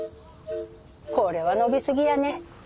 これは伸び過ぎやね。